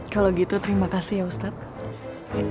kalau gitu terima kasih ya ustadz